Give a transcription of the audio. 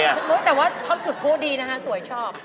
อุ้ยแต่ว่าพร้อมจุดพูดดีนะฮะสวยชอบ